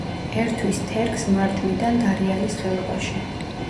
ერთვის თერგს მარჯვნიდან დარიალის ხეობაში.